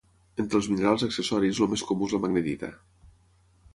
Entre els minerals accessoris el més comú és la magnetita.